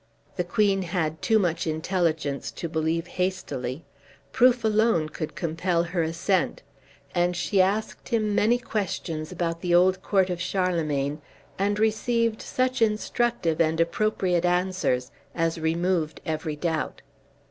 This queen had too much intelligence to believe hastily; proof alone could compel her assent; and she asked him many questions about the old court of Charlemagne, and received such instructive and appropriate answers as removed every doubt.